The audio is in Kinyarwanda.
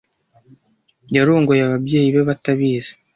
Yarongoye ababyeyi be batabizi.